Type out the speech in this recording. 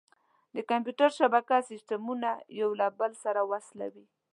د کمپیوټر شبکه سیسټمونه یو له بل سره وصلوي.